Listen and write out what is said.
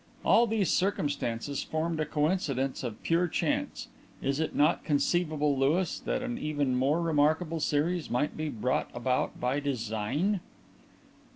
"All these circumstances formed a coincidence of pure chance. Is it not conceivable, Louis, that an even more remarkable series might be brought about by design?"